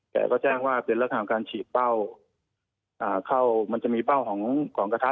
แกก็แจ้งว่าเป็นลักษณะของการฉีดเป้าอ่าเข้ามันจะมีเป้าของของกระทะ